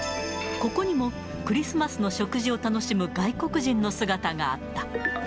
ここにも、クリスマスの食事を楽しむ外国人の姿があった。